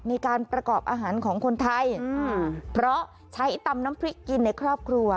ในการประกอบอาหารของคนไทยเพราะใช้ตำน้ำพริกกินในครอบครัว